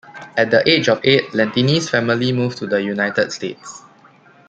At the age of eight, Lentini's family moved to the United States.